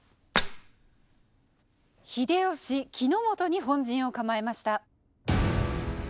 秀吉木之本に本陣を構えました。